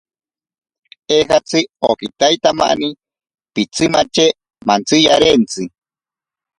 Eejatzi okitaitamani pitsimatye mantsiyarentsi.